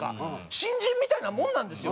新人みたいなもんなんですよ。